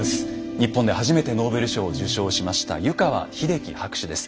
日本で初めてノーベル賞を受賞しました湯川秀樹博士です。